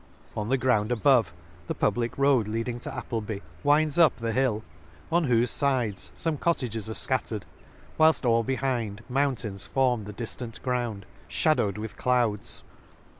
— On the ground above, the public road leading to Appleby winds up the hill, on whofe fides fome cottages are fcattered; whilfl all behind mountains form the diflant ground, fhadowed with clouds *.